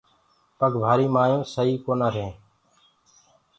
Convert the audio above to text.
پگ ڀآري مآيونٚ سئي ڪونآ رهينٚ۔